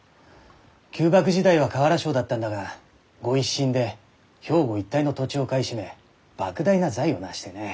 旧幕時代は瓦商だったんだが御一新で兵庫一帯の土地を買い占め莫大な財を成してね。